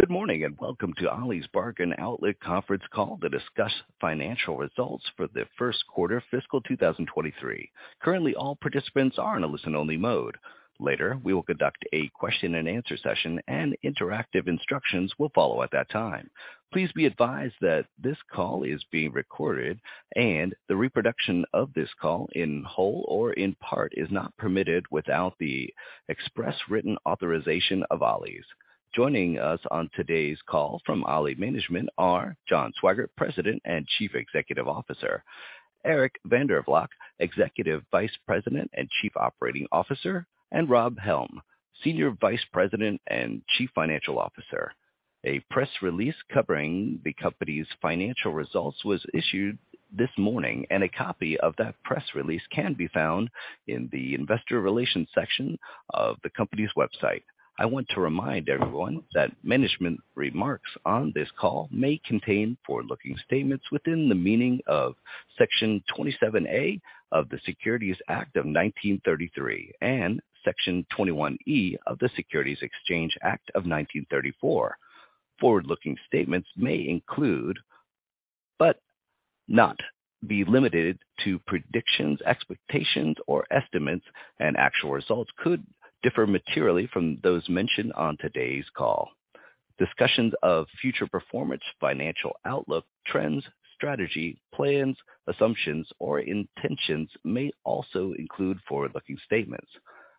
Good morning, and welcome to Ollie's Bargain Outlet conference call to discuss financial results for the first quarter fiscal 2023. Currently, all participants are in a listen-only mode. Later, we will conduct a question-and-answer session, and interactive instructions will follow at that time. Please be advised that this call is being recorded, and the reproduction of this call in whole or in part is not permitted without the express written authorization of Ollie's. Joining us on today's call from Ollie's management are John Swygert, President and Chief Executive Officer, Eric van der Valk, Executive Vice President and Chief Operating Officer, and Rob Helm, Senior Vice President and Chief Financial Officer. A press release covering the company's financial results was issued this morning, and a copy of that press release can be found in the investor relations section of the company's website. I want to remind everyone that management remarks on this call may contain forward-looking statements within the meaning of Section 27A of the Securities Act of 1933 and Section 21E of the Securities Exchange Act of 1934. Forward-looking statements may include, but not be limited to predictions, expectations, or estimates, and actual results could differ materially from those mentioned on today's call. Discussions of future performance, financial outlook, trends, strategy, plans, assumptions, or intentions may also include forward-looking statements.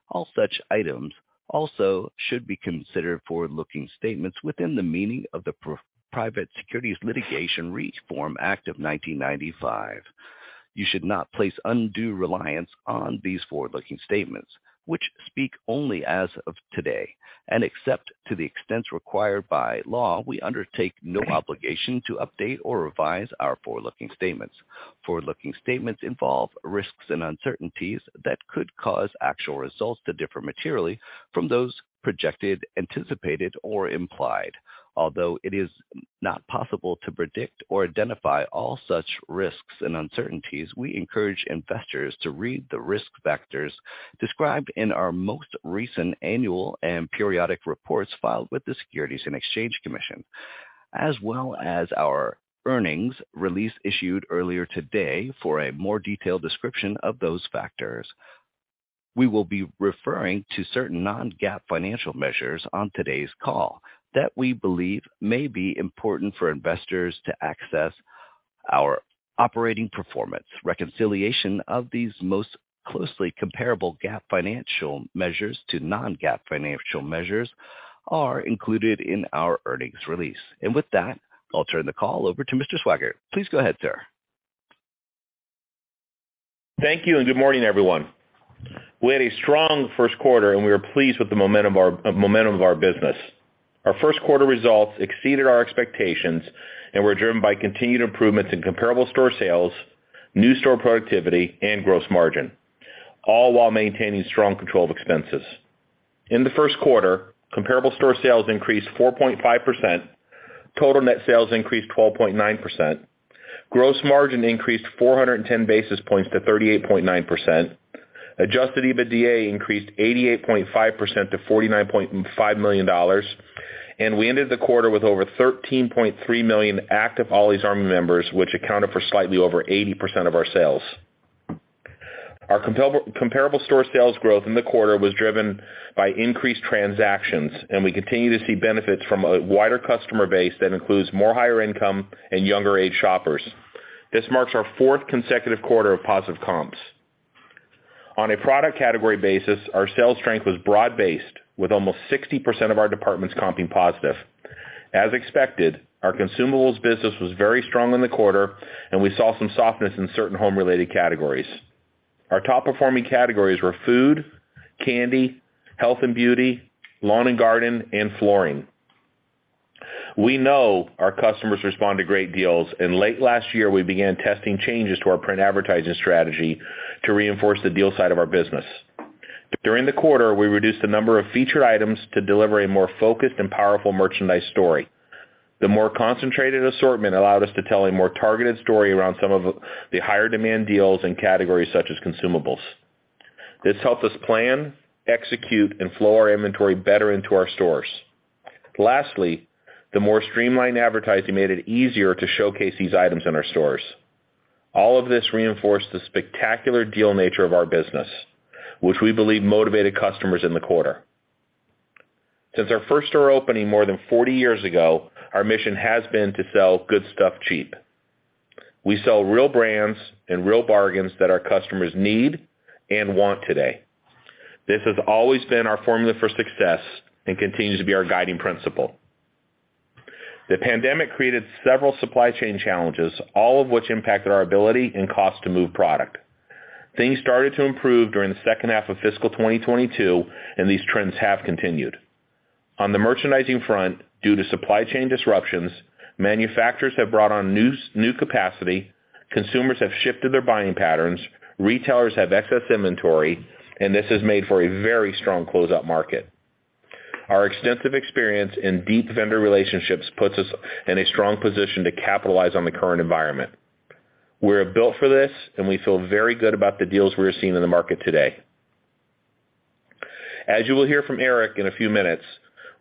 All such items also should be considered forward-looking statements within the meaning of the Private Securities Litigation Reform Act of 1995. You should not place undue reliance on these forward-looking statements, which speak only as of today, and except to the extent required by law, we undertake no obligation to update or revise our forward-looking statements. Forward-looking statements involve risks and uncertainties that could cause actual results to differ materially from those projected, anticipated, or implied. Although it is not possible to predict or identify all such risks and uncertainties, we encourage investors to read the risk factors described in our most recent annual and periodic reports filed with the Securities and Exchange Commission, as well as our earnings release issued earlier today for a more detailed description of those factors. We will be referring to certain non-GAAP financial measures on today's call that we believe may be important for investors to access our operating performance. Reconciliation of these most closely comparable GAAP financial measures to non-GAAP financial measures are included in our earnings release. With that, I'll turn the call over to Mr. Swygert. Please go ahead, sir. Thank you. Good morning, everyone. We had a strong first quarter. We are pleased with the momentum of our business. Our first quarter results exceeded our expectations and were driven by continued improvements in comparable store sales, new store productivity, and gross margin, all while maintaining strong control of expenses. In the first quarter, comparable store sales increased 4.5%, total net sales increased 12.9%. Gross margin increased 410 basis points to 38.9%. Adjusted EBITDA increased 88.5% to $49.5 million. We ended the quarter with over 13.3 million active Ollie's Army members, which accounted for slightly over 80% of our sales. Our comparable store sales growth in the quarter was driven by increased transactions, and we continue to see benefits from a wider customer base that includes more higher income and younger age shoppers. This marks our fourth consecutive quarter of positive comps. On a product category basis, our sales strength was broad-based, with almost 60% of our departments comping positive. As expected, our consumables business was very strong in the quarter, and we saw some softness in certain home-related categories. Our top-performing categories were food, candy, health and beauty, lawn and garden, and flooring. We know our customers respond to great deals, and late last year, we began testing changes to our print advertising strategy to reinforce the deal side of our business. During the quarter, we reduced the number of featured items to deliver a more focused and powerful merchandise story. The more concentrated assortment allowed us to tell a more targeted story around some of the higher demand deals in categories such as consumables. This helped us plan, execute, and flow our inventory better into our stores. The more streamlined advertising made it easier to showcase these items in our stores. All of this reinforced the spectacular deal nature of our business, which we believe motivated customers in the quarter. Since our first store opening more than 40 years ago, our mission has been to sell good stuff cheap. We sell real brands and real bargains that our customers need and want today. This has always been our formula for success and continues to be our guiding principle. The pandemic created several supply chain challenges, all of which impacted our ability and cost to move product. Things started to improve during the second half of fiscal 2022, and these trends have continued. On the merchandising front, due to supply chain disruptions, manufacturers have brought on new capacity, consumers have shifted their buying patterns, retailers have excess inventory, and this has made for a very strong closeout market. Our extensive experience and deep vendor relationships puts us in a strong position to capitalize on the current environment. We're built for this, and we feel very good about the deals we are seeing in the market today. As you will hear from Eric in a few minutes,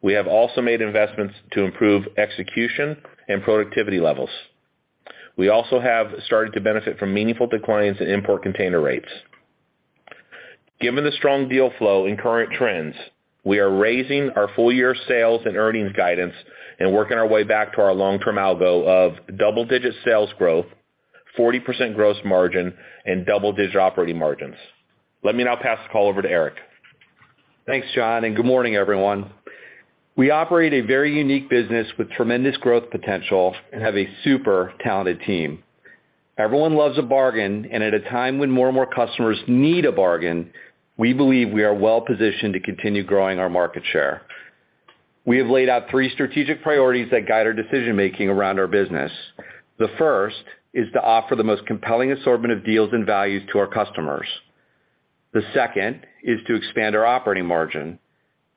we have also made investments to improve execution and productivity levels. We also have started to benefit from meaningful declines in import container rates. Given the strong deal flow and current trends, we are raising our full year sales and earnings guidance and working our way back to our long-term algo of double-digit sales growth, 40% gross margin, and double-digit operating margins. Let me now pass the call over to Eric. Thanks, John. Good morning, everyone. We operate a very unique business with tremendous growth potential and have a super talented team. Everyone loves a bargain. At a time when more and more customers need a bargain, we believe we are well positioned to continue growing our market share. We have laid out three strategic priorities that guide our decision-making around our business. The first is to offer the most compelling assortment of deals and values to our customers. The second is to expand our operating margin.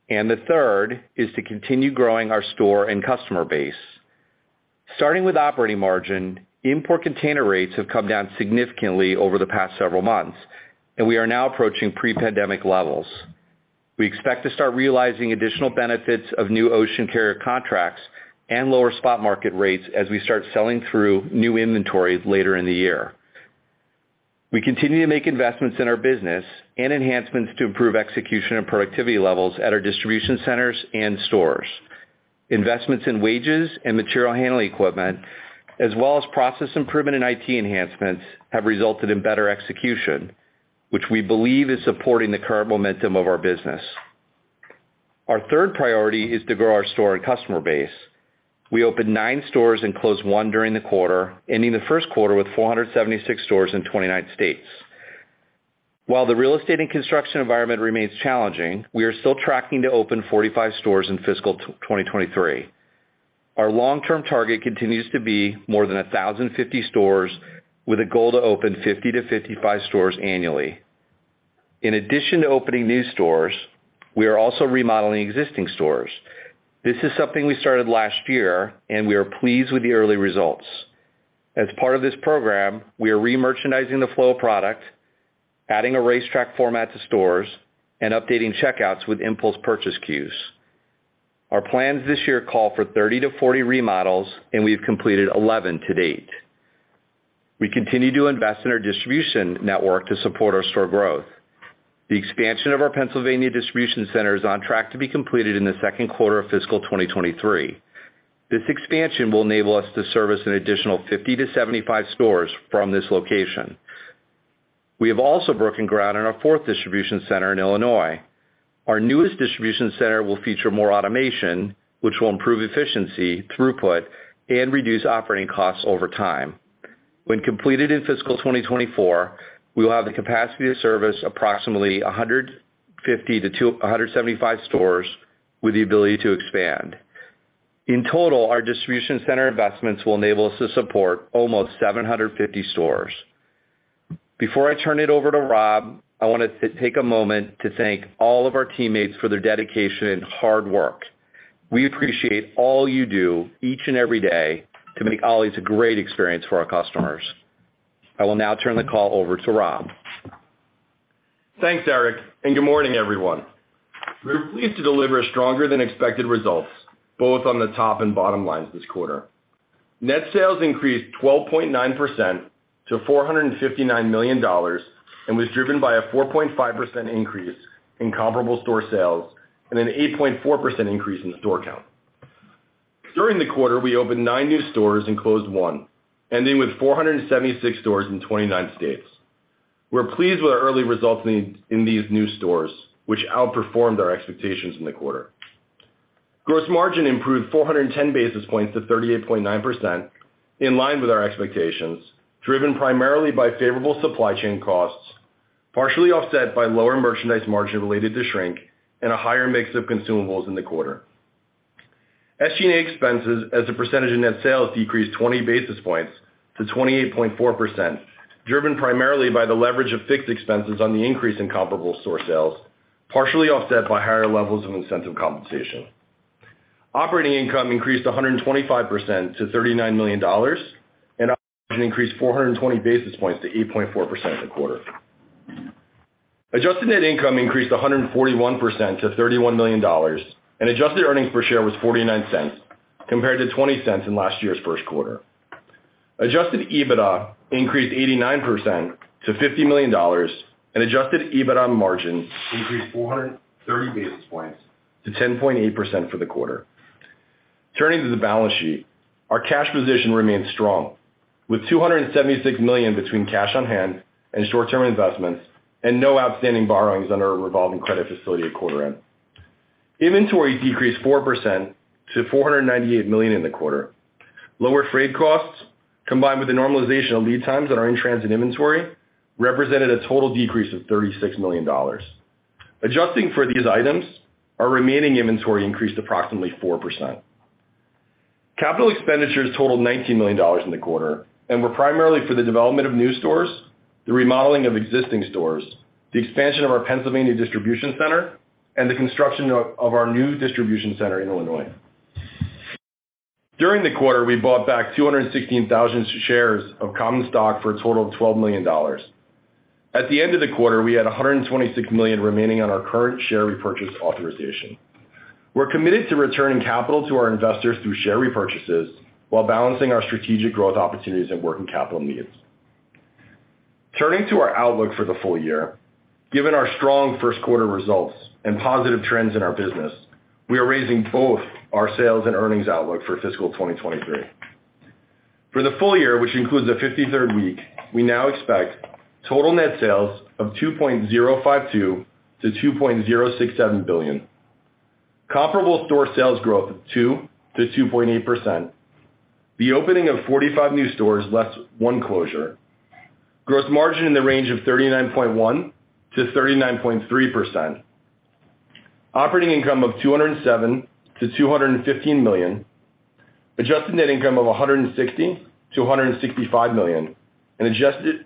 The third is to continue growing our store and customer base. Starting with operating margin, import container rates have come down significantly over the past several months, and we are now approaching pre-pandemic levels. We expect to start realizing additional benefits of new ocean carrier contracts and lower spot market rates as we start selling through new inventories later in the year. We continue to make investments in our business and enhancements to improve execution and productivity levels at our distribution centers and stores. Investments in wages and material handling equipment, as well as process improvement and IT enhancements, have resulted in better execution, which we believe is supporting the current momentum of our business. Our third priority is to grow our store and customer base. We opened 9 stores and closed 1 during the quarter, ending the first quarter with 476 stores in 29 states. While the real estate and construction environment remains challenging, we are still tracking to open 45 stores in fiscal 2023. Our long-term target continues to be more than 1,050 stores, with a goal to open 50-55 stores annually. In addition to opening new stores, we are also remodeling existing stores. This is something we started last year, and we are pleased with the early results. As part of this program, we are re-merchandising the flow of product, adding a racetrack format to stores, and updating checkouts with impulse purchase queues. Our plans this year call for 30-40 remodels, and we've completed 11 to date. We continue to invest in our distribution network to support our store growth. The expansion of our Pennsylvania distribution center is on track to be completed in the second quarter of fiscal 2023. This expansion will enable us to service an additional 50-75 stores from this location. We have also broken ground on our fourth distribution center in Illinois. Our newest distribution center will feature more automation, which will improve efficiency, throughput, and reduce operating costs over time. When completed in fiscal 2024, we will have the capacity to service approximately 150 to 175 stores with the ability to expand. In total, our distribution center investments will enable us to support almost 750 stores. Before I turn it over to Rob, I want to take a moment to thank all of our teammates for their dedication and hard work. We appreciate all you do each and every day to make Ollie's a great experience for our customers. I will now turn the call over to Rob. Thanks, Eric, good morning, everyone. We're pleased to deliver stronger than expected results, both on the top and bottom lines this quarter. Net sales increased 12.9% to $459 million, was driven by a 4.5% increase in comparable store sales and an 8.4% increase in store count. During the quarter, we opened nine new stores and closed one, ending with 476 stores in 29 states. We're pleased with our early results in these new stores, which outperformed our expectations in the quarter. Gross margin improved 410 basis points to 38.9%, in line with our expectations, driven primarily by favorable supply chain costs, partially offset by lower merchandise margin related to shrink and a higher mix of consumables in the quarter. SG&A expenses as a percentage of net sales decreased 20 basis points to 28.4% driven primarily by the leverage of fixed expenses on the increase in comparable store sales, partially offset by higher levels of incentive compensation. Operating income increased 125% to $39 million, and operating increased 420 basis points to 8.4% in the quarter. Adjusted net income increased 141% to $31 million, and adjusted earnings per share was $0.49, compared to $0.20 in last year's first quarter. Adjusted EBITDA increased 89% to $50 million, and adjusted EBITDA margin increased 430 basis points to 10.8% for the quarter. Turning to the balance sheet, our cash position remains strong, with $276 million between cash on hand and short-term investments, and no outstanding borrowings under our revolving credit facility at quarter end. Inventory decreased 4% to $498 million in the quarter. Lower freight costs, combined with the normalization of lead times on our in-transit inventory, represented a total decrease of $36 million. Adjusting for these items, our remaining inventory increased approximately 4%. Capital expenditures totaled $19 million in the quarter and were primarily for the development of new stores, the remodeling of existing stores, the expansion of our Pennsylvania distribution center, and the construction of our new distribution center in Illinois. During the quarter, we bought back 216,000 shares of common stock for a total of $12 million. At the end of the quarter, we had $126 million remaining on our current share repurchase authorization. We're committed to returning capital to our investors through share repurchases while balancing our strategic growth opportunities and working capital needs. Turning to our outlook for the full year, given our strong first quarter results and positive trends in our business, we are raising both our sales and earnings outlook for fiscal 2023. For the full year, which includes the 53rd week, we now expect total net sales of $2.052 billion-$2.067 billion. Comparable store sales growth of 2%-2.8%. The opening of 45 new stores, less 1 closure. Gross margin in the range of 39.1%-39.3%. Operating income of $207 million-$215 million. Adjusted net income of $160 million-$165 million,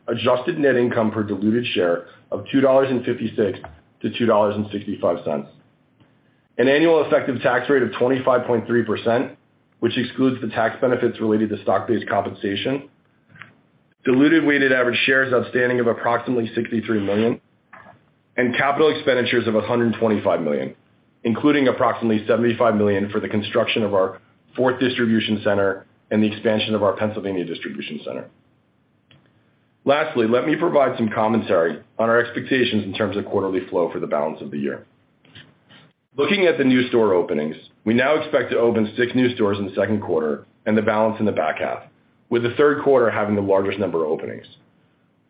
adjusted net income per diluted share of $2.56-$2.65. An annual effective tax rate of 25.3%, which excludes the tax benefits related to stock-based compensation. Diluted weighted average shares outstanding of approximately 63 million, capital expenditures of $125 million, including approximately $75 million for the construction of our fourth distribution center and the expansion of our Pennsylvania distribution center. Lastly, let me provide some commentary on our expectations in terms of quarterly flow for the balance of the year. Looking at the new store openings, we now expect to open 6 new stores in the second quarter and the balance in the back half, with the third quarter having the largest number of openings.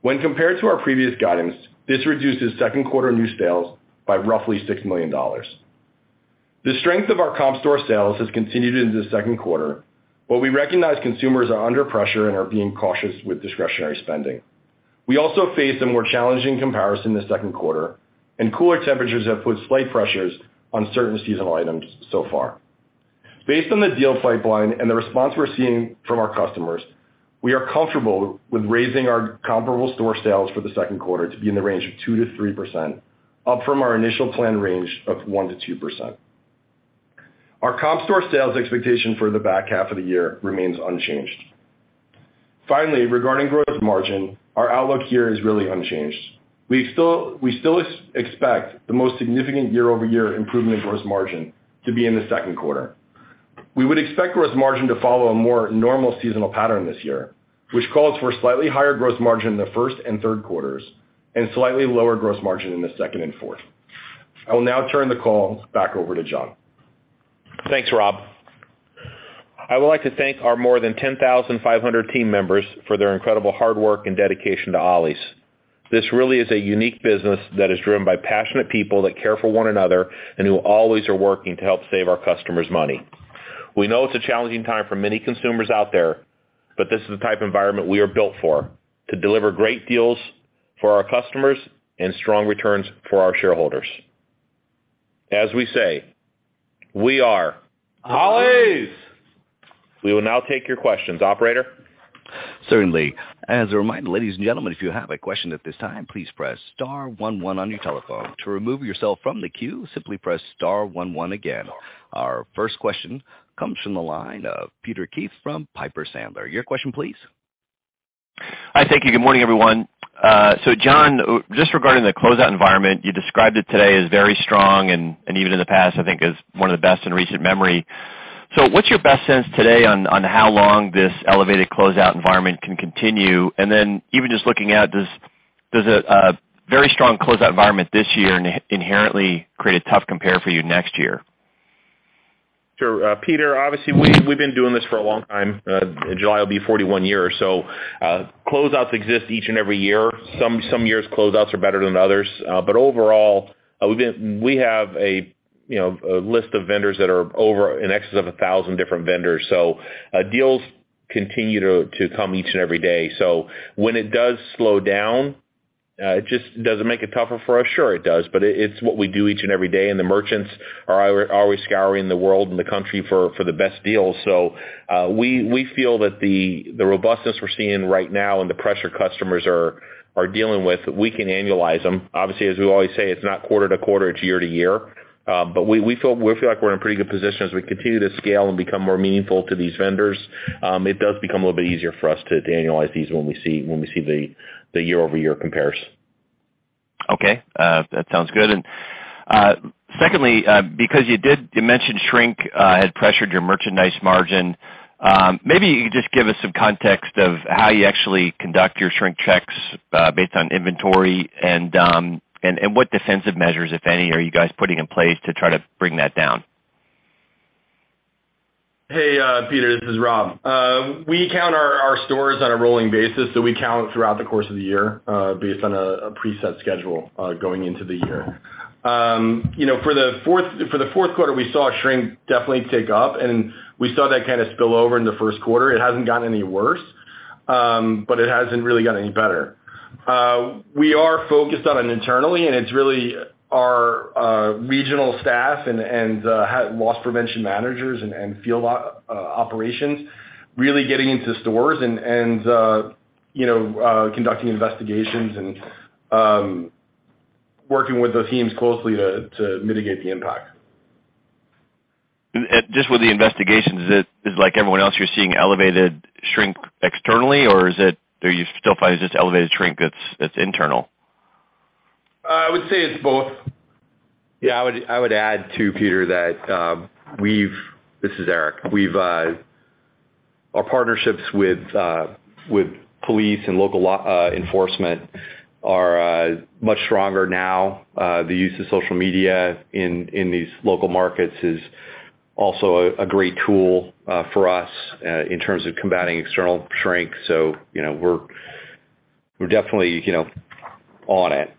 When compared to our previous guidance, this reduces second quarter new sales by roughly $6 million. The strength of our comp store sales has continued into the second quarter, we recognize consumers are under pressure and are being cautious with discretionary spending. We also face a more challenging comparison in the second quarter, cooler temperatures have put slight pressures on certain seasonal items so far. Based on the deal pipeline and the response we're seeing from our customers, we are comfortable with raising our comparable store sales for the second quarter to be in the range of 2%-3%, up from our initial planned range of 1%-2%. Our comp store sales expectation for the back half of the year remains unchanged. Finally, regarding growth margin, our outlook here is really unchanged. We still expect the most significant year-over-year improvement in gross margin to be in the second quarter. We would expect gross margin to follow a more normal seasonal pattern this year, which calls for slightly higher gross margin in the first and third quarters and slightly lower gross margin in the second and fourth. I will now turn the call back over to John. Thanks, Rob. I would like to thank our more than 10,500 team members for their incredible hard work and dedication to Ollie's. This really is a unique business that is driven by passionate people that care for one another and who always are working to help save our customers money. We know it's a challenging time for many consumers out there, this is the type of environment we are built for, to deliver great deals for our customers and strong returns for our shareholders. As we say, we are Ollie's! We will now take your questions. Operator? Certainly. As a reminder, ladies and gentlemen, if you have a question at this time, please press star one one on your telephone. To remove yourself from the queue, simply press star one one again. Our first question comes from the line of Peter Keith from Piper Sandler. Your question, please. Hi, thank you. Good morning, everyone. John, just regarding the closeout environment, you described it today as very strong and even in the past, I think, as one of the best in recent memory. What's your best sense today on how long this elevated closeout environment can continue? Even just looking at, does a very strong closeout environment this year inherently create a tough compare for you next year? Sure. Peter, obviously, we've been doing this for a long time. July will be 41 years. Closeouts exist each and every year. Some years, closeouts are better than others. Overall, we have a, you know, a list of vendors that are over in excess of 1,000 different vendors. Deals continue to come each and every day. When it does slow down, does it make it tougher for us? Sure, it does, but it's what we do each and every day, and the merchants are always scouring the world and the country for the best deals. We feel that the robustness we're seeing right now and the pressure customers are dealing with, we can annualize them. Obviously, as we always say, it's not quarter to quarter, it's year to year. We feel like we're in a pretty good position as we continue to scale and become more meaningful to these vendors. It does become a little bit easier for us to annualize these when we see the year-over-year compares. Okay, that sounds good. Secondly, because you mentioned shrink had pressured your merchandise margin, maybe you could just give us some context of how you actually conduct your shrink checks, based on inventory and what defensive measures, if any, are you guys putting in place to try to bring that down? Hey, Peter, this is Rob. We count our stores on a rolling basis, so we count throughout the course of the year, based on a preset schedule, going into the year. You know, for the fourth quarter, we saw shrink definitely tick up, and we saw that kind of spill over in the first quarter. It hasn't gotten any worse, but it hasn't really gotten any better. We are focused on it internally, and it's really our regional staff and loss prevention managers and field operations, really getting into stores and, you know, conducting investigations and working with those teams closely to mitigate the impact. Just with the investigations, is like everyone else, you're seeing elevated shrink externally, or is it, do you still find it's just elevated shrink that's internal? I would say it's both. I would add, too, Peter, that this is Eric. We've our partnerships with police and local law enforcement are much stronger now. The use of social media in these local markets is also a great tool for us in terms of combating external shrink. You know, we're definitely, you know, on it.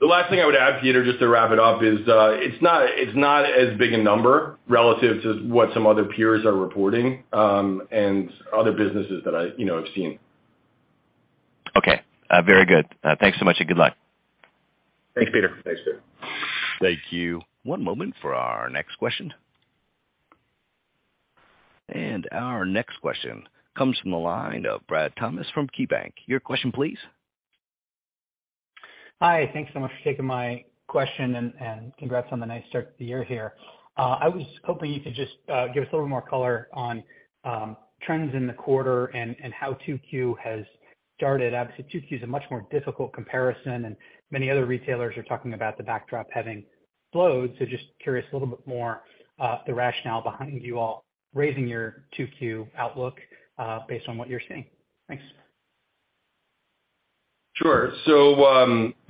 The last thing I would add, Peter, just to wrap it up, is, it's not, it's not as big a number relative to what some other peers are reporting, and other businesses that I, you know, I've seen. Okay. very good. thanks so much, and good luck. Thanks, Peter. Thanks, Peter. Thank you. One moment for our next question. Our next question comes from the line of Brad Thomas from KeyBanc. Your question, please. Hi, thanks so much for taking my question, and congrats on the nice start to the year here. I was hoping you could just give us a little more color on trends in the quarter and how 2Q has started. Obviously, 2Q is a much more difficult comparison, and many other retailers are talking about the backdrop having flowed. Just curious a little bit more the rationale behind you all raising your 2Q outlook based on what you're seeing. Thanks. Sure.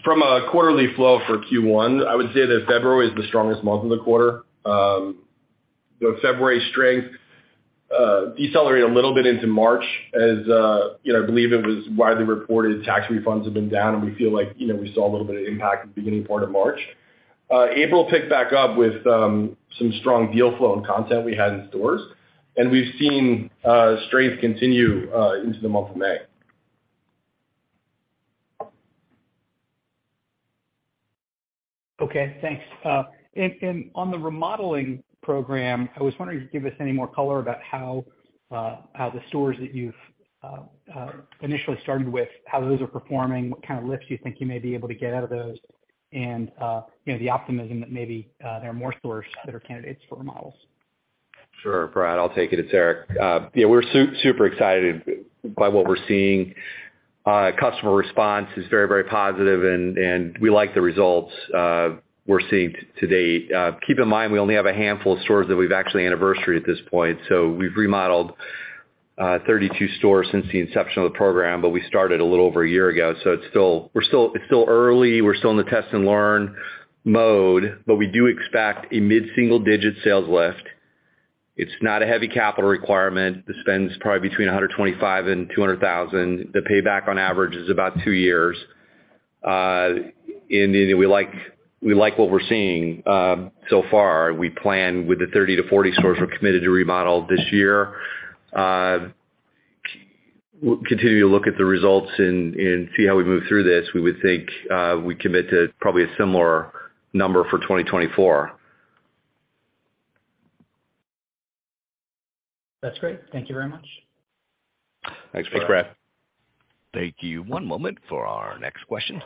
From a quarterly flow for Q1, I would say that February is the strongest month in the quarter. The February strength decelerated a little bit into March as, you know, I believe it was widely reported, tax refunds have been down, and we feel like, you know, we saw a little bit of impact at the beginning part of March. April picked back up with some strong deal flow and content we had in stores, and we've seen strength continue into the month of May. Okay, thanks. On the remodeling program, I was wondering if you could give us any more color about how how the stores that you've initially started with, how those are performing, what kind of lifts you think you may be able to get out of those, and, you know, the optimism that maybe there are more stores that are candidates for remodels. Sure, Brad, I'll take it. It's Eric. Yeah, we're super excited by what we're seeing. Customer response is very, very positive and we like the results we're seeing to date. Keep in mind, we only have a handful of stores that we've actually anniversary at this point, so we've remodeled 32 stores since the inception of the program, but we started a little over a year ago, so it's still early. We're still in the test and learn mode. We do expect a mid-single digit sales lift. It's not a heavy capital requirement. The spend is probably between $125,000 and $200,000. The payback on average is about two years. We like what we're seeing so far. We plan with the 30 to 40 stores we're committed to remodel this year. We'll continue to look at the results and see how we move through this. We would think, we commit to probably a similar number for 2024. That's great. Thank you very much. Thanks, Brad. Thank you. One moment for our next question.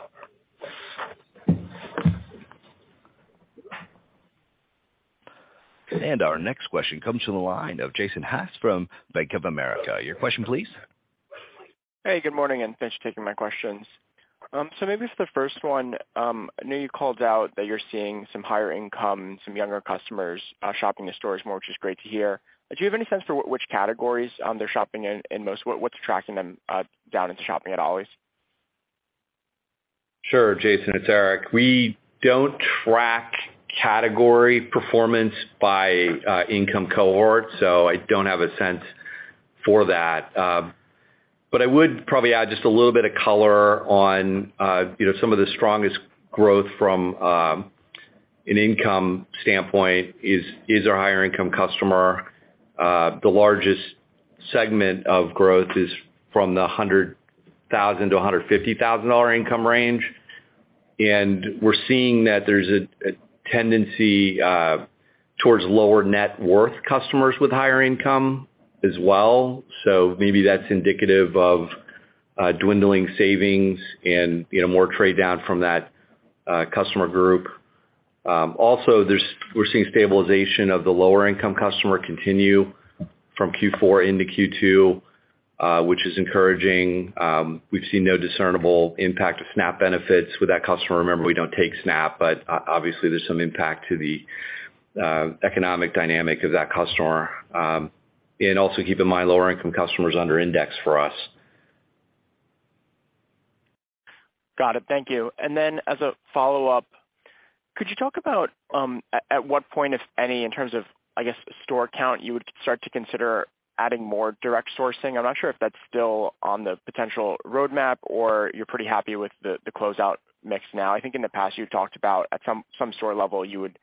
Our next question comes from the line of Jason Haas from Bank of America. Your question, please. Hey, good morning, thanks for taking my questions. Maybe it's the first one. I know you called out that you're seeing some higher income, some younger customers shopping in stores more, which is great to hear. Do you have any sense for which categories they're shopping in most? What's attracting them down into shopping at Ollie's? Sure, Jason, it's Eric. We don't track category performance by income cohort, so I don't have a sense for that. I would probably add just a little bit of color on, you know, some of the strongest growth from an income standpoint is our higher income customer. The largest segment of growth is from the $100,000-$150,000 income range, we're seeing that there's a tendency towards lower net worth customers with higher income as well. Maybe that's indicative of dwindling savings and, you know, more trade down from that customer group. Also, we're seeing stabilization of the lower income customer continue from Q4 into Q2, which is encouraging. We've seen no discernible impact of SNAP benefits with that customer. Remember, we don't take SNAP, obviously, there's some impact to the economic dynamic of that customer. Also keep in mind, lower income customers under index for us. Got it. Thank you. As a follow-up, could you talk about, at what point, if any, in terms of, I guess, store count, you would start to consider adding more direct sourcing? I'm not sure if that's still on the potential roadmap or you're pretty happy with the closeout mix now. I think in the past, you've talked about at some store level, you would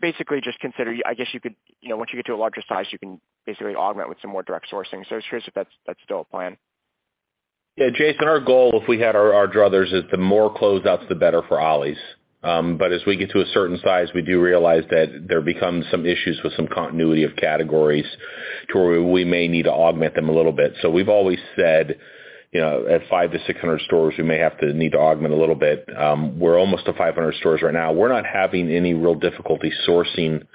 basically just consider, I guess you could, you know, once you get to a larger size, you can basically augment with some more direct sourcing. I'm just curious if that's still a plan? Jason, our goal, if we had our druthers, is the more closeouts, the better for Ollie's. As we get to a certain size, we do realize that there becomes some issues with some continuity of categories.... to where we may need to augment them a little bit. We've always said, you know, at 500-600 stores, we may have to need to augment a little bit. We're almost to 500 stores right now. We're not having any real difficulty sourcing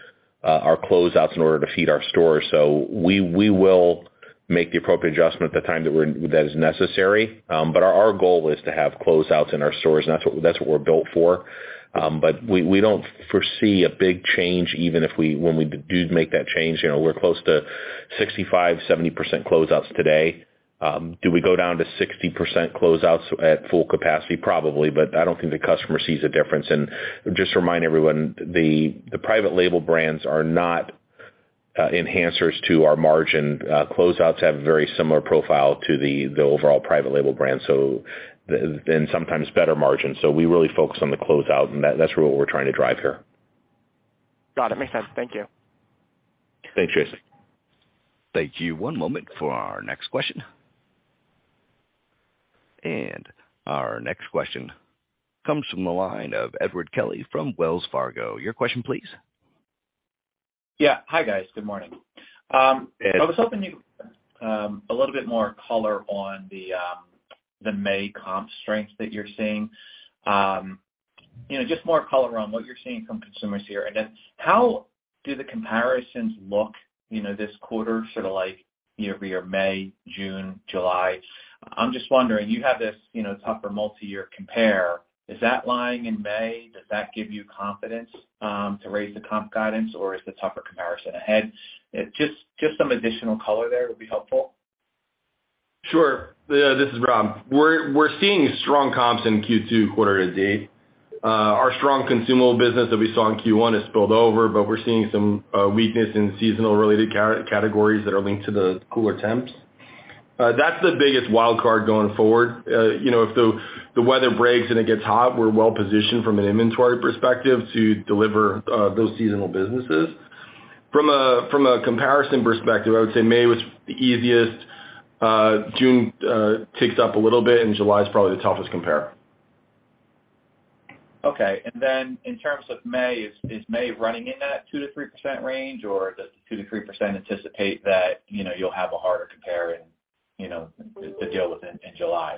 our closeouts in order to feed our stores. We will make the appropriate adjustment at the time that is necessary. Our goal is to have closeouts in our stores, and that's what, that's what we're built for. We don't foresee a big change, even if when we do make that change. You know, we're close to 65%-70% closeouts today. Do we go down to 60% closeouts at full capacity? Probably, but I don't think the customer sees a difference. Just remind everyone, the private label brands are not enhancers to our margin. Closeouts have a very similar profile to the overall private label brand, so and sometimes better margins. We really focus on the closeout, and that's what we're trying to drive here. Got it. Makes sense. Thank you. Thanks, Jason. Thank you. One moment for our next question. Our next question comes from the line of Edward Kelly from Wells Fargo. Your question, please. Yeah. Hi, guys. Good morning. Ed- I was hoping you a little bit more color on the May comp strengths that you're seeing. You know, just more color around what you're seeing from consumers here. How do the comparisons look, you know, this quarter, sort of like, year-over-year, May, June, July? I'm just wondering, you have this, you know, tougher multi-year compare. Is that lying in May? Does that give you confidence to raise the comp guidance, or is the tougher comparison ahead? Just some additional color there would be helpful. Sure. This is Rob. We're seeing strong comps in Q2 quarter to date. Our strong consumable business that we saw in Q1 has spilled over, but we're seeing some weakness in seasonal-related categories that are linked to the cooler temps. That's the biggest wild card going forward. You know, if the weather breaks and it gets hot, we're well positioned from an inventory perspective to deliver those seasonal businesses. From a comparison perspective, I would say May was the easiest, June ticks up a little bit, and July is probably the toughest compare. Okay. In terms of May, is May running in that 2%-3% range, or does the 2%-3% anticipate that, you know, you'll have a harder compare and, you know, to deal with in July?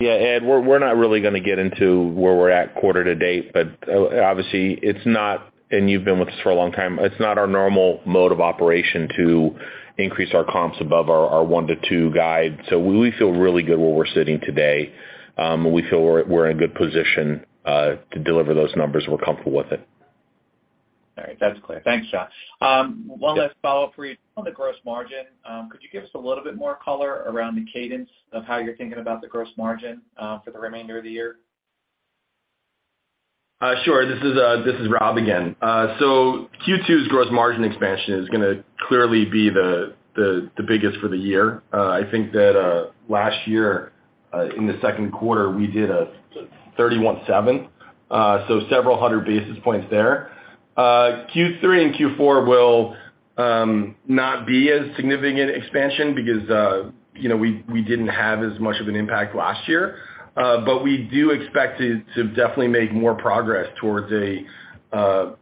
Ed, we're not really gonna get into where we're at quarter to date. Obviously, it's not. You've been with us for a long time, it's not our normal mode of operation to increase our comps above our 1% to 2% guide. We feel really good where we're sitting today. We feel we're in a good position to deliver those numbers. We're comfortable with it. All right. That's clear. Thanks, John. One last follow-up for you. On the gross margin, could you give us a little bit more color around the cadence of how you're thinking about the gross margin for the remainder of the year? Sure. This is Rob again. Q2's gross margin expansion is gonna clearly be the biggest for the year. I think that last year in the second quarter, we did a 31.7%, several hundred basis points there. Q3 and Q4 will not be as significant expansion because, you know, we didn't have as much of an impact last year. We do expect to definitely make more progress towards our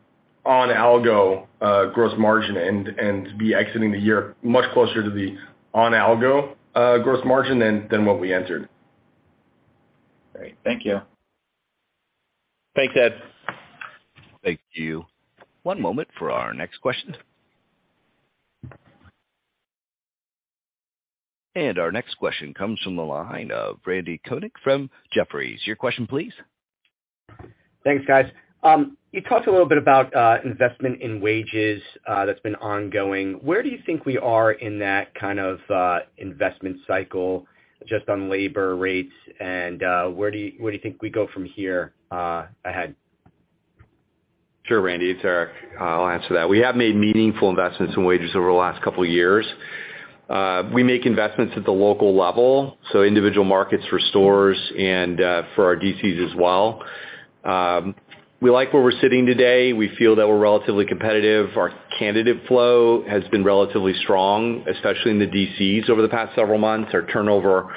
algo gross margin and be exiting the year much closer to the on algo gross margin than what we entered. Great. Thank you. Thanks, Ed. Thank you. One moment for our next question. Our next question comes from the line of Randy Konik from Jefferies. Your question, please. Thanks, guys. You talked a little bit about investment in wages that's been ongoing. Where do you think we are in that kind of investment cycle, just on labor rates, and where do you think we go from here ahead? Sure, Randy, it's Eric. I'll answer that. We have made meaningful investments in wages over the last couple of years. We make investments at the local level, so individual markets for stores and for our DCs as well. We like where we're sitting today. We feel that we're relatively competitive. Our candidate flow has been relatively strong, especially in the DCs over the past several months. Our turnover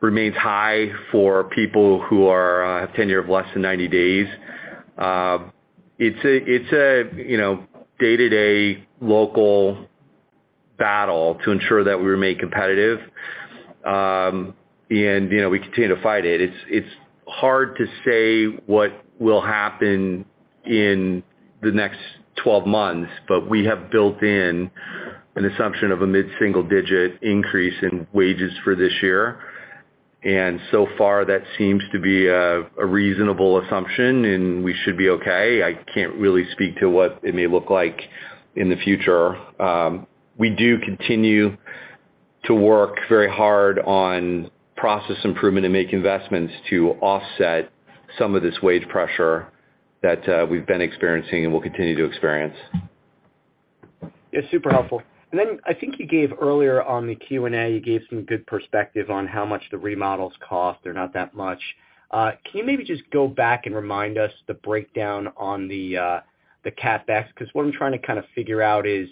remains high for people who are tenure of less than 90 days. It's a, you know, day-to-day local battle to ensure that we remain competitive. You know, we continue to fight it. It's hard to say what will happen in the next 12 months, but we have built in an assumption of a mid-single digit increase in wages for this year, and so far, that seems to be a reasonable assumption, and we should be okay. I can't really speak to what it may look like in the future. We do continue to work very hard on process improvement and make investments to offset some of this wage pressure that we've been experiencing and will continue to experience. Yeah, super helpful. I think you gave earlier on the Q&A, you gave some good perspective on how much the remodels cost. They're not that much. Can you maybe just go back and remind us the breakdown on the CapEx? Because what I'm trying to kind of figure out is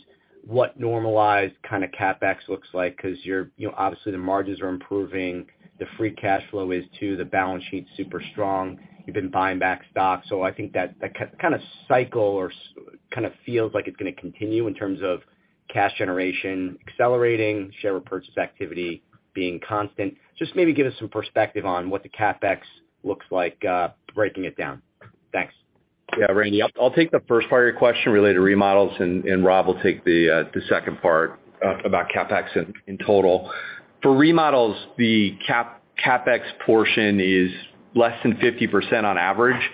what normalized kind of CapEx looks like, because you know, obviously, the margins are improving, the free cash flow is, too, the balance sheet's super strong, you've been buying back stock. I think that that kind of cycle or kind of feels like it's going to continue in terms of cash generation, accelerating, share repurchase activity being constant. Just maybe give us some perspective on what the CapEx looks like, breaking it down. Thanks. Yeah, Randy, I'll take the first part of your question related to remodels, and Rob will take the second part about CapEx in total. For remodels, the CapEx portion is less than 50% on average.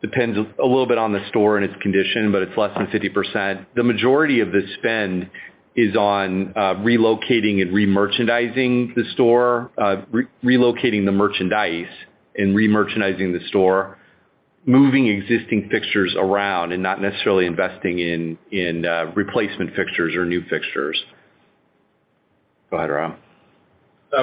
Depends a little bit on the store and its condition, but it's less than 50%. The majority of the spend is on relocating and remerchandising the store, relocating the merchandise and remerchandising the store, moving existing fixtures around and not necessarily investing in replacement fixtures or new fixtures. Go ahead, Rob.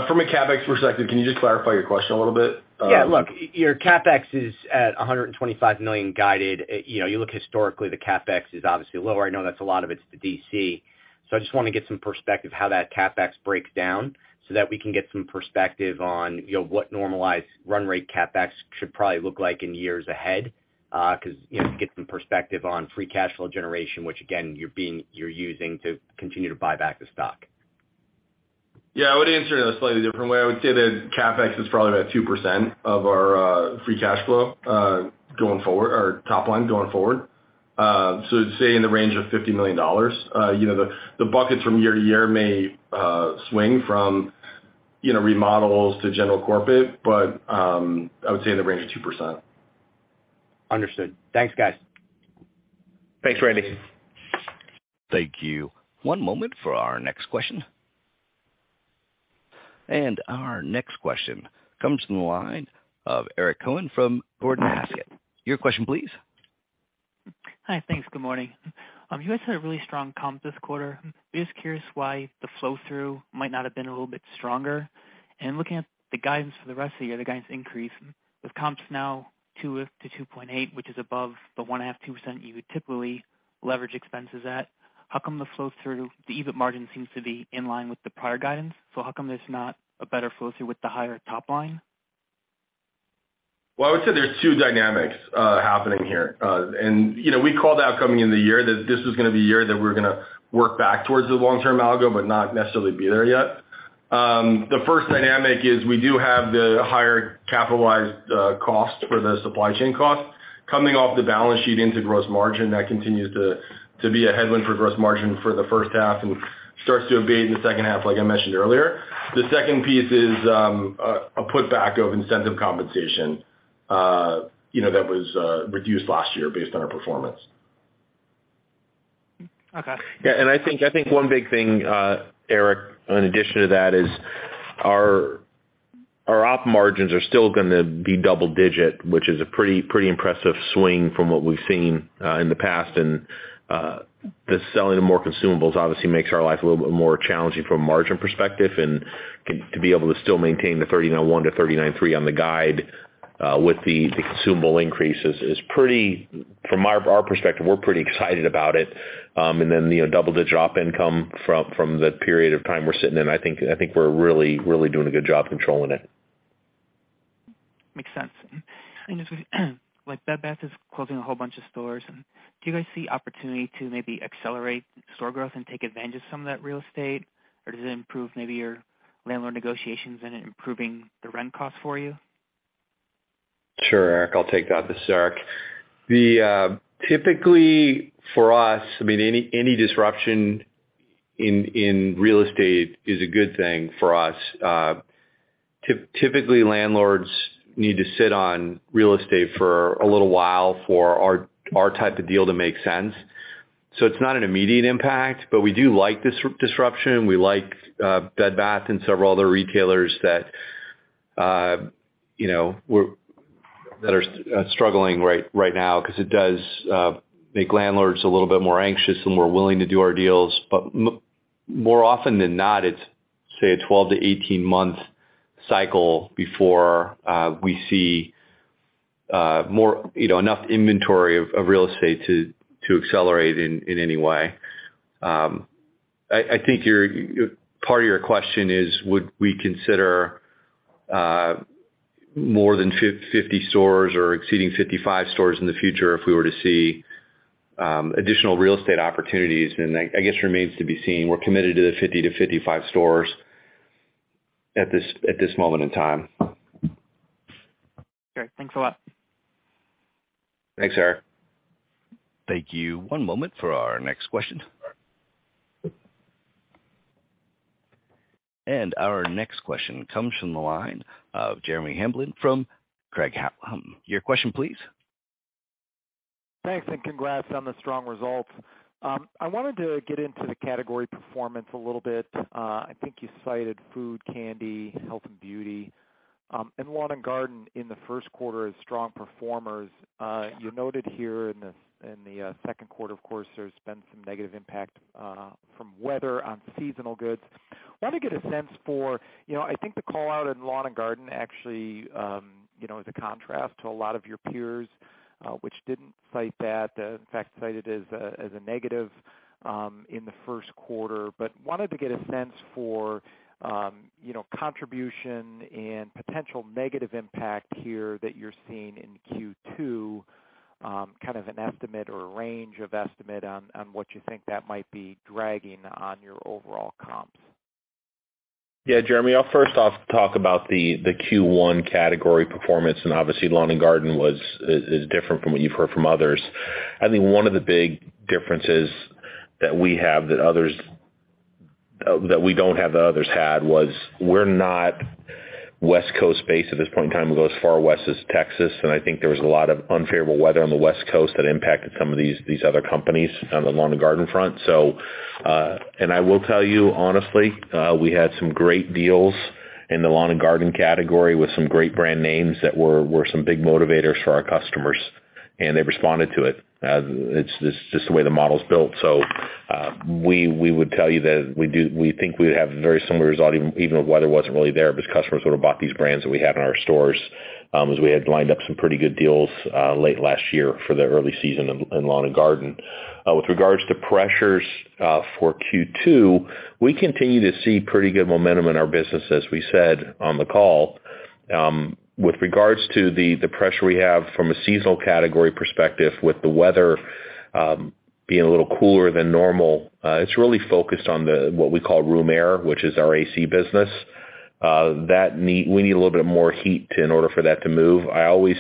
From a CapEx perspective, can you just clarify your question a little bit? Yeah, look, your CapEx is at $125 million guided. You know, you look historically, the CapEx is obviously lower. I know that's a lot of it's the DC. I just want to get some perspective how that CapEx breaks down so that we can get some perspective on, you know, what normalized run rate CapEx should probably look like in years ahead, because, you know, to get some perspective on free cash flow generation, which again, you're using to continue to buy back the stock. Yeah, I would answer it a slightly different way. I would say that CapEx is probably about 2% of our free cash flow, going forward or top line, going forward. I'd say in the range of $50 million. You know, the buckets from year to year may swing from, you know, remodels to general corporate, but I would say in the range of 2%. Understood. Thanks, guys. Thanks, Randy. Thank you. One moment for our next question. Our next question comes from the line of Eric Cohen from Gordon Haskett. Your question, please. Hi, thanks. Good morning. You guys had a really strong comp this quarter. Just curious why the flow-through might not have been a little bit stronger. Looking at the guidance for the rest of the year, the guidance increase, with comps now 2%-2.8%, which is above the 0.5%-2% you would typically leverage expenses at, how come the flow-through, the EBIT margin seems to be in line with the prior guidance? How come there's not a better flow-through with the higher top line? Well, I would say there are two dynamics happening here. You know, we called out coming in the year that this was going to be a year that we're going to work back towards the long-term algo, but not necessarily be there yet. The first dynamic is we do have the higher capitalized cost for the supply chain cost coming off the balance sheet into gross margin. That continues to be a headwind for gross margin for the first half and starts to abate in the second half, like I mentioned earlier. The second piece is a putback of incentive compensation, you know, that was reduced last year based on our performance. Okay. Yeah, I think one big thing, Eric, in addition to that, is our op margins are still going to be double-digit, which is a pretty impressive swing from what we've seen in the past. The selling of more consumables obviously makes our life a little bit more challenging from a margin perspective. To be able to still maintain the 39.1%-39.3% on the guide with the consumable increases is pretty. From our perspective, we're pretty excited about it. Then, you know, double-digit op income from the period of time we're sitting in, I think we're really doing a good job controlling it. Makes sense. Like, Bed Bath is closing a whole bunch of stores. Do you guys see opportunity to maybe accelerate store growth and take advantage of some of that real estate? Does it improve maybe your landlord negotiations and improving the rent cost for you? Sure, Eric, I'll take that this start. The typically for us, I mean, any disruption in real estate is a good thing for us. Typically, landlords need to sit on real estate for a little while for our type of deal to make sense. It's not an immediate impact, but we do like this disruption. We like Bed Bath and several other retailers that, you know, that are struggling right now, because it does make landlords a little bit more anxious and more willing to do our deals. More often than not, it's, say, a 12-18 month cycle before we see more, you know, enough inventory of real estate to accelerate in any way. I think your part of your question is, would we consider more than 50 stores or exceeding 55 stores in the future if we were to see additional real estate opportunities? I guess remains to be seen. We're committed to the 50-55 stores at this moment in time. Okay, thanks a lot. Thanks, Eric. Thank you. One moment for our next question. Our next question comes from the line of Jeremy Hamblin from Craig-Hallum. Your question, please. Thanks, congrats on the strong results. I wanted to get into the category performance a little bit. I think you cited food, candy, health and beauty, lawn and garden in the first quarter as strong performers. You noted here in the second quarter, of course, there's been some negative impact from weather on seasonal goods. You know, I think the call out in lawn and garden, actually, you know, is a contrast to a lot of your peers, which didn't cite that. In fact, cited it as a negative.... in the first quarter, but wanted to get a sense for, you know, contribution and potential negative impact here that you're seeing in Q2, kind of an estimate or a range of estimate on what you think that might be dragging on your overall comps. Yeah, Jeremy, I'll first off talk about the Q1 category performance, and obviously, lawn and garden is different from what you've heard from others. I think one of the big differences that we have than others, that we don't have, that others had, was we're not West Coast-based at this point in time. We go as far west as Texas, and I think there was a lot of unfavorable weather on the West Coast that impacted some of these other companies on the lawn and garden front. I will tell you honestly, we had some great deals in the lawn and garden category with some great brand names that were some big motivators for our customers, and they responded to it. It's just the way the model's built. We would tell you that we think we would have a very similar result, even if weather wasn't really there, because customers would have bought these brands that we had in our stores, as we had lined up some pretty good deals late last year for the early season in lawn and garden. With regards to pressures for Q2, we continue to see pretty good momentum in our business, as we said on the call. With regards to the pressure we have from a seasonal category perspective, with the weather being a little cooler than normal, it's really focused on what we call room air, which is our AC business. We need a little bit more heat in order for that to move. I always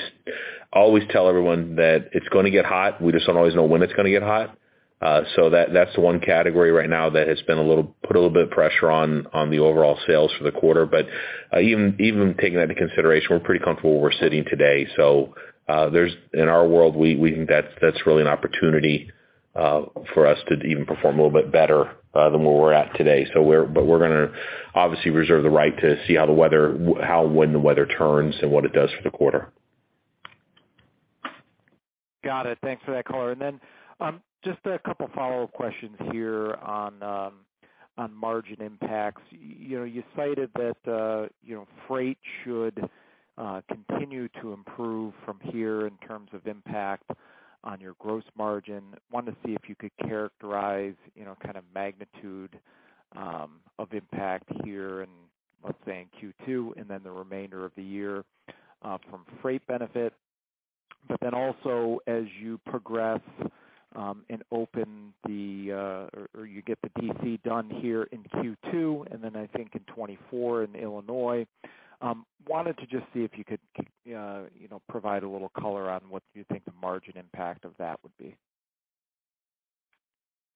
tell everyone that it's gonna get hot. We just don't always know when it's gonna get hot. That's the one category right now that has been a little bit of pressure on the overall sales for the quarter. Even taking that into consideration, we're pretty comfortable where we're sitting today. In our world, we think that's really an opportunity for us to even perform a little bit better than where we're at today. We're gonna obviously reserve the right to see how the weather, when the weather turns and what it does for the quarter. Got it. Thanks for that color. Then, just a couple follow-up questions here on margin impacts. You know, you cited that, you know, freight should continue to improve from here in terms of impact on your gross margin. Wanted to see if you could characterize, you know, kind of magnitude of impact here in, let say, in Q2, and then the remainder of the year from freight benefit. Then also, as you progress, and open the, or you get the DC done here in Q2, and then I think in 2024 in Illinois, wanted to just see if you could, you know, provide a little color on what you think the margin impact of that would be.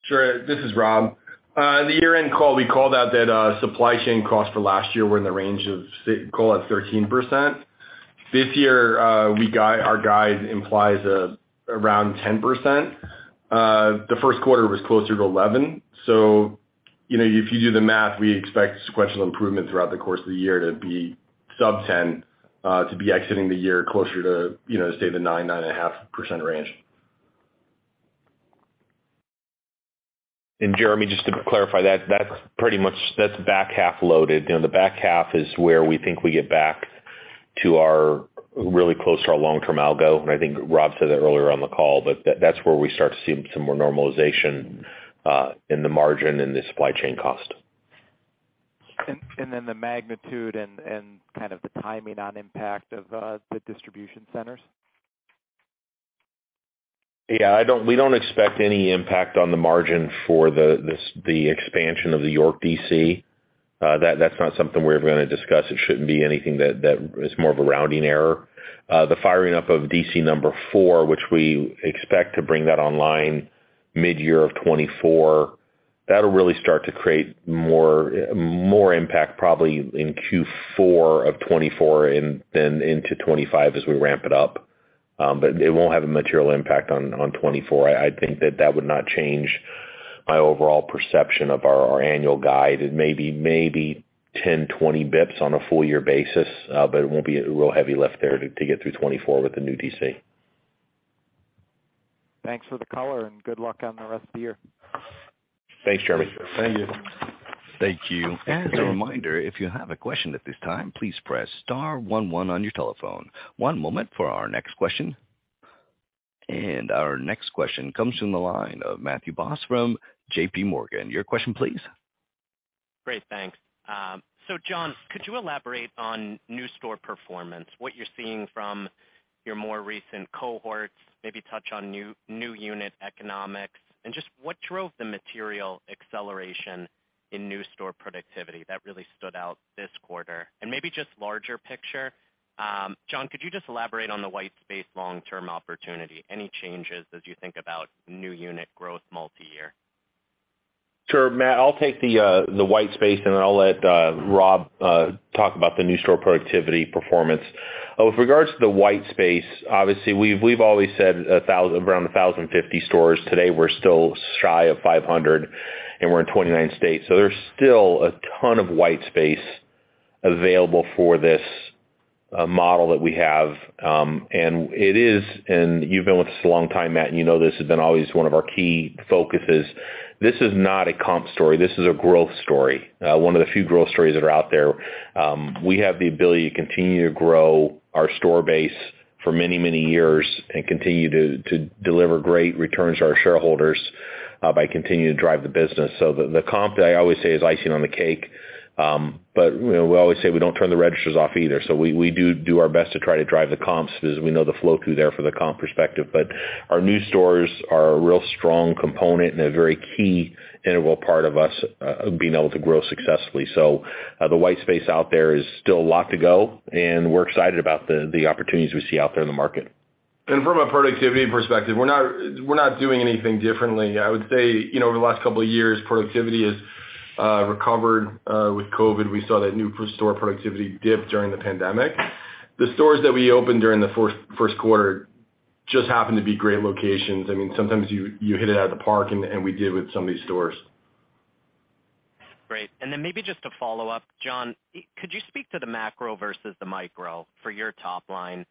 Sure. This is Rob. The year-end call, we called out that, supply chain costs for last year were in the range of call it 13%. This year, our guide implies, around 10%. The first quarter was closer to 11. You know, if you do the math, we expect sequential improvement throughout the course of the year to be sub-10, to be exiting the year closer to, you know, say, the 9-9.5% range. Jeremy, just to clarify that's pretty much, that's back-half loaded. You know, the back half is where we think we get back to our really close to our long-term algo, and I think Rob said that earlier on the call. That's where we start to see some more normalization in the margin and the supply chain cost. Then the magnitude and kind of the timing on impact of the distribution centers? We don't expect any impact on the margin for the expansion of the York DC. That's not something we're going to discuss. It shouldn't be anything that. It's more of a rounding error. The firing up of DC 4, which we expect to bring that online mid-year of 2024, that'll really start to create more impact probably in Q4 of 2024 and then into 2025 as we ramp it up. It won't have a material impact on 2024. I think that would not change my overall perception of our annual guide. It may be 10, 20 bips on a full year basis, but it won't be a real heavy lift there to get through 2024 with the new DC. Thanks for the color, and good luck on the rest of the year. Thanks, Jeremy. Thank you. Thank you. As a reminder, if you have a question at this time, please press star one one on your telephone. One moment for our next question. Our next question comes from the line of Matthew Boss from JP Morgan. Your question please. Great, thanks. John, could you elaborate on new store performance, what you're seeing from your more recent cohorts? Maybe touch on new unit economics, and just what drove the material acceleration in new store productivity that really stood out this quarter? Maybe just larger picture, John, could you just elaborate on the white space long-term opportunity? Any changes as you think about new unit growth multi-year? Sure, Matt, I'll take the white space, and I'll let Rob talk about the new store productivity performance. With regards to the white space, obviously, we've always said around 1,050 stores. Today, we're still shy of 500, and we're in 29 states. There's still a ton of white space available for this model that we have. It is, and you've been with us a long time, Matt, and you know this has been always one of our key focuses. This is not a comp story. This is a growth story, one of the few growth stories that are out there. We have the ability to continue to grow our store base for many, many years and continue to deliver great returns to our shareholders, by continuing to drive the business. The comp, I always say, is icing on the cake. You know, we always say we don't turn the registers off either. We do our best to try to drive the comps, because we know the flow through there for the comp perspective. Our new stores are a real strong component and a very key integral part of us, being able to grow successfully. The white space out there is still a lot to go, and we're excited about the opportunities we see out there in the market. From a productivity perspective, we're not doing anything differently. I would say, you know, over the last couple of years, productivity has recovered. With COVID, we saw that new store productivity dip during the pandemic. The stores that we opened during the first quarter just happened to be great locations. I mean, sometimes you hit it out of the park, and we did with some of these stores. Great. Maybe just to follow up, John, could you speak to the macro versus the micro for your top line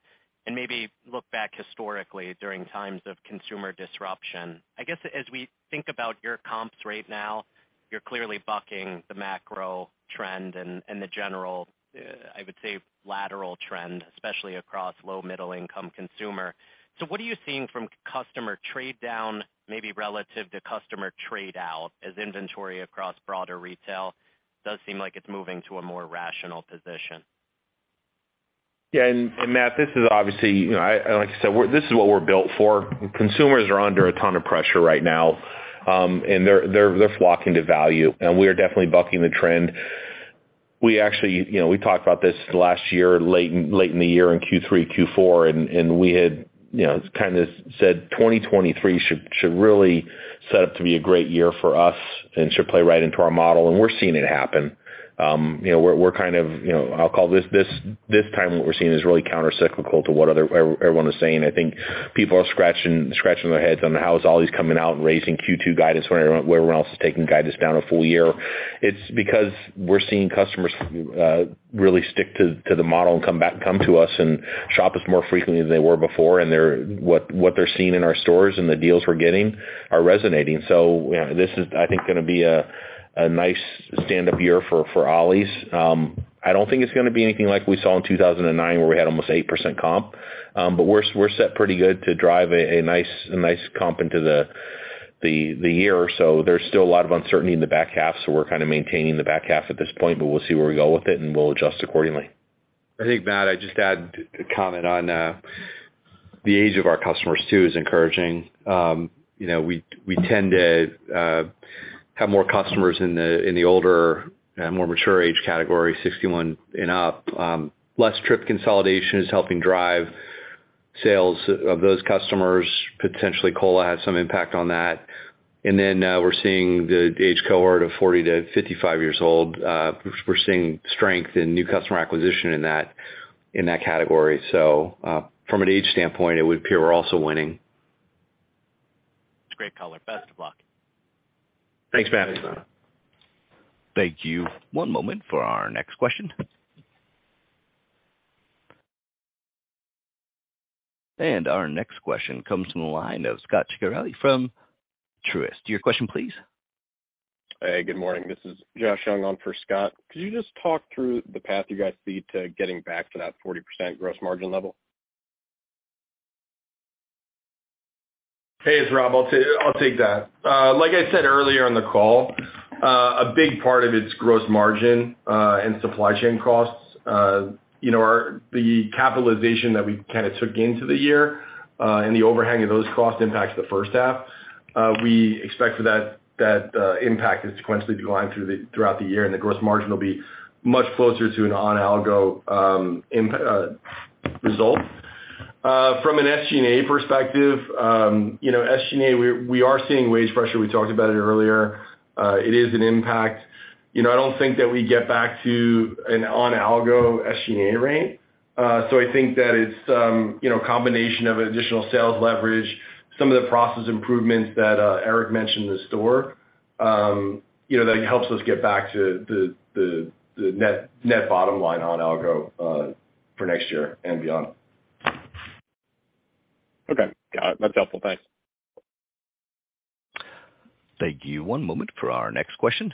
and maybe look back historically during times of consumer disruption? I guess, as we think about your comps right now, you're clearly bucking the macro trend and the general, I would say, lateral trend, especially across low middle-income consumer. What are you seeing from customer trade down, maybe relative to customer trade out, as inventory across broader retail does seem like it's moving to a more rational position? Yeah, Matt, this is obviously, you know, like I said, this is what we're built for. Consumers are under a ton of pressure right now, they're flocking to value, we are definitely bucking the trend. We actually, you know, we talked about this last year, late in the year in Q3, Q4, we had, you know, kind of said, 2023 should really set up to be a great year for us and should play right into our model, we're seeing it happen. You know, we're kind of, you know, I'll call this time, what we're seeing is really countercyclical to what everyone is saying. I think people are scratching their heads on how is Ollie's coming out and raising Q2 guidance when everyone else is taking guidance down a full year. It's because we're seeing customers really stick to the model and come to us and shop us more frequently than they were before, and what they're seeing in our stores and the deals we're getting are resonating. This is, I think, gonna be a nice stand-up year for Ollie's. I don't think it's gonna be anything like we saw in 2009, where we had almost 8% comp, we're set pretty good to drive a nice comp into the year. There's still a lot of uncertainty in the back half, we're kind of maintaining the back half at this point, we'll see where we go with it, we'll adjust accordingly. I think, Matt, I'd just add a comment on, the age of our customers, too, is encouraging. You know, we tend to, have more customers in the, in the older, more mature age category, 61 and up. Less trip consolidation is helping drive sales of those customers. Potentially, COLA has some impact on that. We're seeing the age cohort of 40 to 55 years old, we're seeing strength in new customer acquisition in that, in that category. From an age standpoint, it would appear we're also winning. Great color. Best of luck. Thanks, Matt. Thanks, Matt. Thank you. One moment for our next question. Our next question comes from the line of Scot Ciccarelli from Truist. Your question, please. Hey, good morning. This is Josh Young on for Scot. Could you just talk through the path you guys see to getting back to that 40% gross margin level? Hey, it's Rob. I'll take that. Like I said earlier in the call, a big part of it's gross margin and supply chain costs. You know, the capitalization that we kind of took into the year and the overhang of those costs impacts the first half. We expect for that impact to sequentially decline throughout the year. The gross margin will be much closer to an on algo result. From an SG&A perspective, you know, SG&A, we are seeing wage pressure. We talked about it earlier. It is an impact. You know, I don't think that we get back to an on algo SG&A rate. I think that it's, you know, combination of additional sales leverage, some of the process improvements that Eric mentioned in the store, you know, that helps us get back to the net bottom line on Ollie's for next year and beyond. Okay, got it. That's helpful. Thanks. Thank you. One moment for our next question.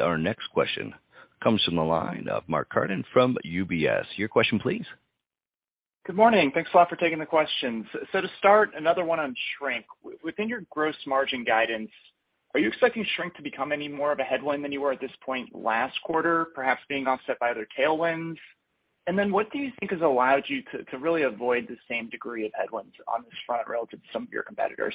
Our next question comes from the line of Mark Carden from UBS. Your question, please. Good morning. Thanks a lot for taking the questions. To start, another one on shrink. Within your gross margin guidance, are you expecting shrink to become any more of a headwind than you were at this point last quarter, perhaps being offset by other tailwinds? What do you think has allowed you to really avoid the same degree of headwinds on this front relative to some of your competitors?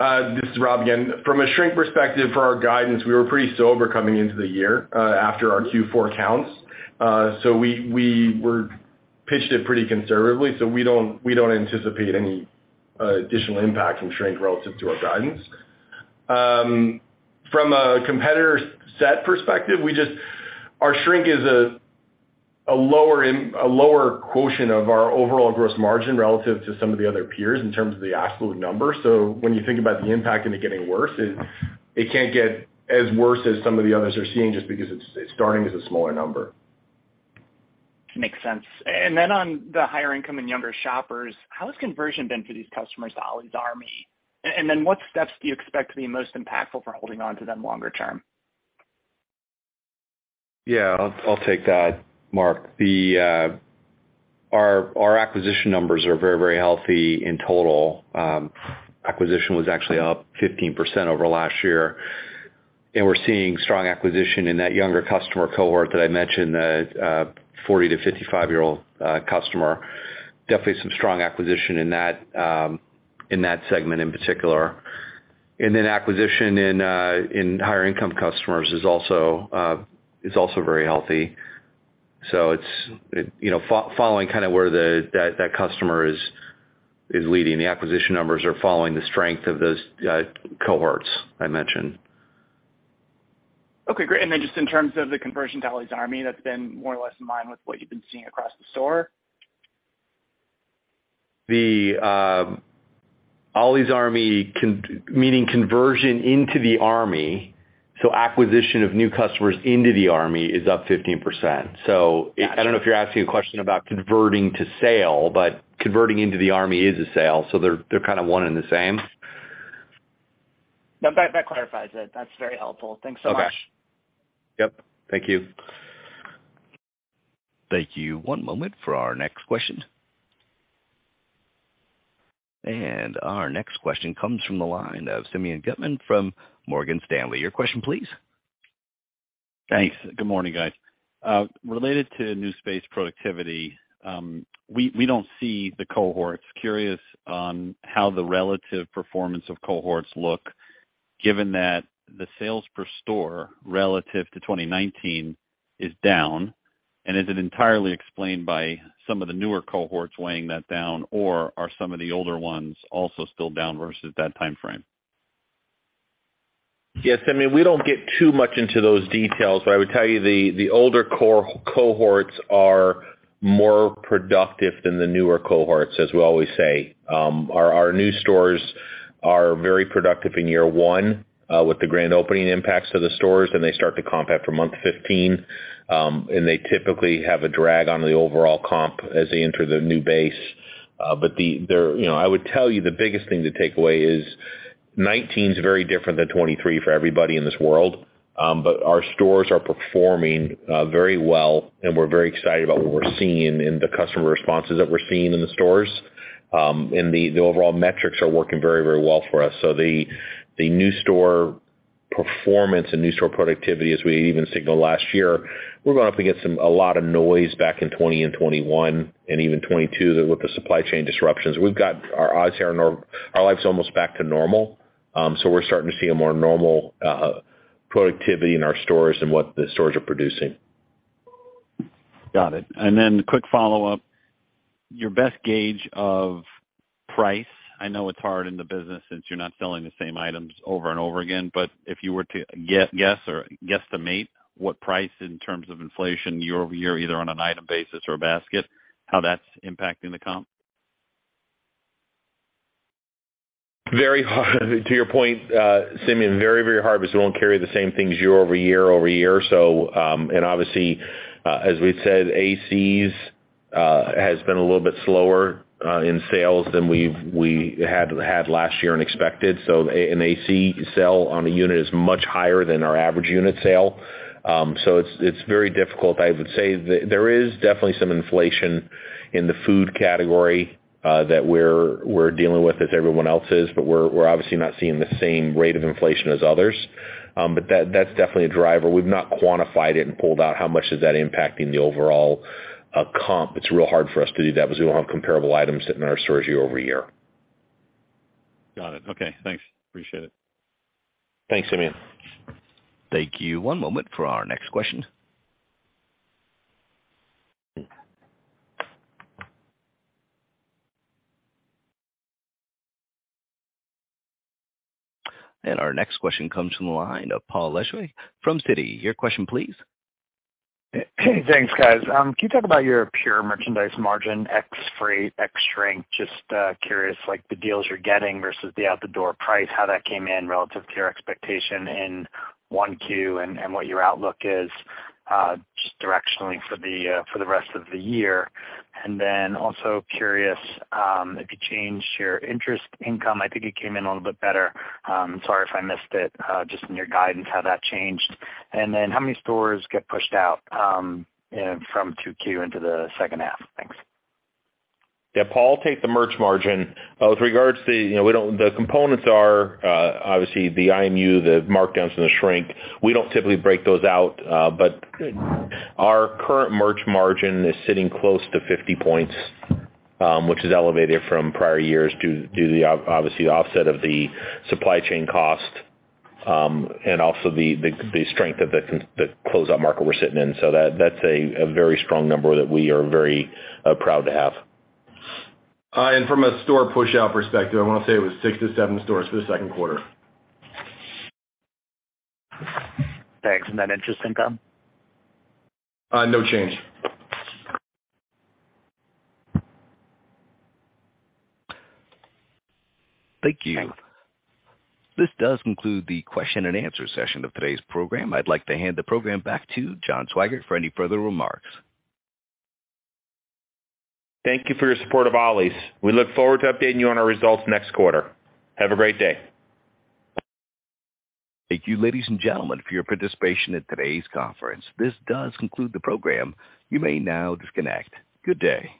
This is Rob again. From a shrink perspective, for our guidance, we were pretty sober coming into the year after our Q4 counts. So we pitched it pretty conservatively, so we don't anticipate any additional impact from shrink relative to our guidance. From a competitor set perspective, our shrink is a lower quotient of our overall gross margin relative to some of the other peers in terms of the absolute number. So when you think about the impact and it getting worse, it can't get as worse as some of the others are seeing, just because it's starting as a smaller number. Makes sense. On the higher income and younger shoppers, how has conversion been for these customers to Ollie's Army? then what steps do you expect to be most impactful for holding on to them longer term? Yeah, I'll take that, Mark. The our acquisition numbers are very, very healthy in total. Acquisition was actually up 15% over last year. We're seeing strong acquisition in that younger customer cohort that I mentioned, the 40-55-year-old customer. Definitely some strong acquisition in that segment in particular. Then acquisition in higher income customers is also very healthy. It's, you know, following kind of where that customer is leading. The acquisition numbers are following the strength of those cohorts I mentioned. Okay, great. Just in terms of the conversion to Ollie's Army, that's been more or less in line with what you've been seeing across the store? The Ollie's Army meaning conversion into the Army, so acquisition of new customers into the Army is up 15%. I don't know if you're asking a question about converting to sale, but converting into the Army is a sale, so they're kind of one and the same. No, that clarifies it. That's very helpful. Thanks so much. Okay. Yep. Thank you. Thank you. One moment for our next question. Our next question comes from the line of Simeon Gutman from Morgan Stanley. Your question, please. Thanks. Good morning, guys. related to new space productivity, we don't see the cohorts. Curious on how the relative performance of cohorts look, given that the sales per store relative to 2019 is down, is it entirely explained by some of the newer cohorts weighing that down, or are some of the older ones also still down versus that time frame? Yes, I mean, we don't get too much into those details, but I would tell you the older cohorts are more productive than the newer cohorts, as we always say. Our new stores are very productive in year one, with the grand opening impacts to the stores, then they start to comp after month 15, and they typically have a drag on the overall comp as they enter the new base. You know, I would tell you the biggest thing to take away is 2019's very different than 2023 for everybody in this world. Our stores are performing very well, and we're very excited about what we're seeing in the customer responses that we're seeing in the stores. The overall metrics are working very, very well for us. The new store performance and new store productivity, as we even signaled last year, we're going to have to get a lot of noise back in 2020 and 2021 and even 2022 with the supply chain disruptions. We've got our odds here, and our life's almost back to normal. We're starting to see a more normal productivity in our stores and what the stores are producing. Got it. quick follow-up. Your best gauge of price, I know it's hard in the business since you're not selling the same items over and over again, but if you were to guess or guesstimate, what price in terms of inflation year-over-year, either on an item basis or a basket, how that's impacting the comp? Very hard. To your point, Simeon, very hard because we don't carry the same things year-over-year. Obviously, as we've said, ACs has been a little bit slower in sales than we had last year and expected. An AC sell on a unit is much higher than our average unit sale. It's very difficult. I would say there is definitely some inflation in the food category that we're dealing with as everyone else is, but we're obviously not seeing the same rate of inflation as others. That's definitely a driver. We've not quantified it and pulled out how much is that impacting the overall comp. It's real hard for us to do that because we don't have comparable items in our stores year-over-year. Got it. Okay, thanks. Appreciate it. Thanks, Simeon. Thank you. One moment for our next question. Our next question comes from the line of Paul Lejuez from Citi. Your question, please. Thanks, guys. Can you talk about your pure merchandise margin, ex-freight, ex-shrink? Just curious, like, the deals you're getting versus the out-the-door price, how that came in relative to your expectation in 1Q, and what your outlook is just directionally for the rest of the year. Also curious, if you changed your interest income. I think it came in a little bit better. Sorry if I missed it, just in your guidance, how that changed. How many stores get pushed out from 2Q into the second half? Thanks. Yeah, Paul, I'll take the merch margin. With regards to, you know, the components are, obviously, the IMU, the markdowns, and the shrink. We don't typically break those out, our current merch margin is sitting close to 50 points, which is elevated from prior years due to the, obviously, the offset of the supply chain cost, and also the strength of the closeout market we're sitting in. That's a very strong number that we are very proud to have. From a store push-out perspective, I want to say it was 6-7 stores for the second quarter. Thanks. Interest income? No change. Thank you. Thanks. This does conclude the question-and-answer session of today's program. I'd like to hand the program back to John Swygert for any further remarks. Thank you for your support of Ollie's. We look forward to updating you on our results next quarter. Have a great day. Thank you, ladies and gentlemen, for your participation in today's conference. This does conclude the program. You may now disconnect. Good day.